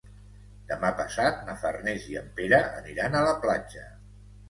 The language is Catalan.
Demà passat na Farners i en Pere aniran a la platja.